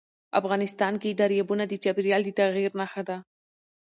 افغانستان کې دریابونه د چاپېریال د تغیر نښه ده.